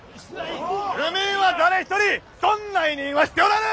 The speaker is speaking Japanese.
府民は誰一人そんな委任はしておらぬ！